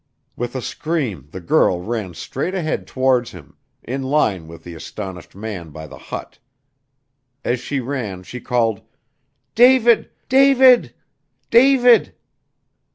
With a scream the girl ran straight ahead towards him, in line with the astonished man by the hut. As she ran she called, "David! David! David!"